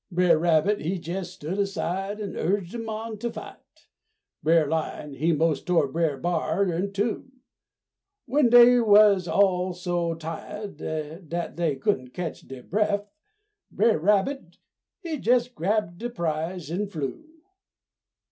Brer Rabbit he jes' stood aside an' urged 'em on to fight. Brer Lion he mos' tore Brer B'ar in two; W'en dey was all so tiahd dat dey couldn't catch der bref Brer Rabbit he jes' grabbed de prize an' flew.